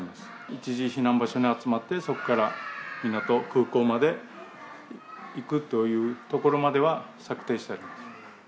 一時避難場所に集まって、そこから港、空港まで行くというところまでは策定してあります。